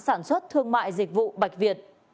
sản xuất thương mại dịch vụ bạch việt